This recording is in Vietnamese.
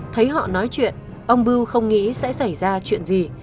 thấy họ nói chuyện ông bưu không nghĩ sẽ xảy ra chuyện gì